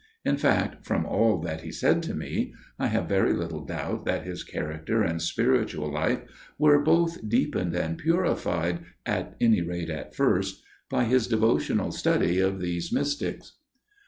In fact, from all that he said to me, I have very little doubt that his character and spiritual life were both deepened and purified, at any rate at first, by his devotional study of these mystics.